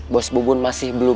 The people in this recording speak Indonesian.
bos bubun masih belum